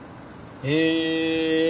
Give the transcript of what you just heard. へえ。